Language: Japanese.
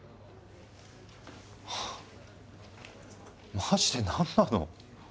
マジで何なの？